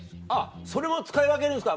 それも使い分けるんですか